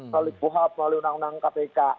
melalui kuhap melalui undang undang kpk